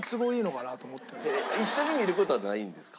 一緒に見る事はないんですか？